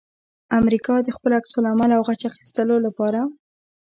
امریکا د خپل عکس العمل او غچ اخستلو لپاره